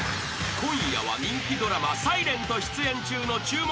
［今夜は人気ドラマ『ｓｉｌｅｎｔ』出演中の注目